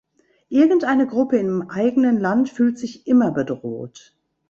Irgendeine Gruppe im eigenen Land fühlt sich immer bedroht.